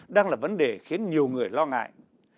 đang là vấn đề khiến nhiều người lo ngại